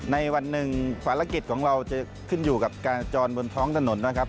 ในวันหนึ่งภารกิจของเราจะขึ้นอยู่กับการจรบนท้องถนนนะครับ